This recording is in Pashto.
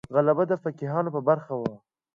غلبه د فقیهانو په برخه وه.